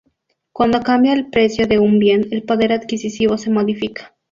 Cuando cambia el precio de un bien, el poder adquisitivo se modifica.